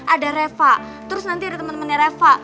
ada reva terus nanti ada temen temennya reva